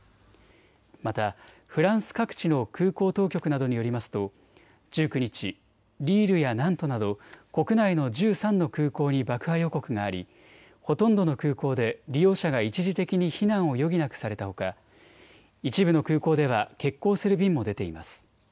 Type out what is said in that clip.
また、フランス各地の空港当局などによりますと１９日、リールやナントなど国内の１３の空港に爆破予告がありほとんどの空港で利用者が一時的に避難を余儀なくされたほか一部の空港では欠航する便も出ています。